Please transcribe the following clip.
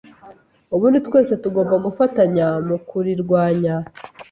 Ubundi twese tugomba gufatanya mu kurirwanya.